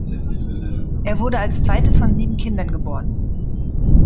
Er wurde als zweites von sieben Kindern geboren.